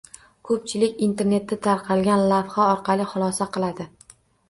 Ko‘pchilik internetda tarqalgan lavha orqali xulosa qiladi.